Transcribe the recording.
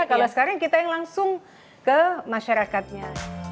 kalau sekarang kita yang langsung ke masyarakatnya